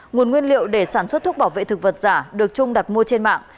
nguồn nguyên liệu để sản xuất thuốc bảo vệ thực vật giả được trung đặt mua trên mạng